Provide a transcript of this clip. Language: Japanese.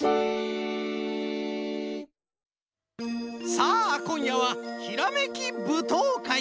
さあこんやはひらめきぶとうかい。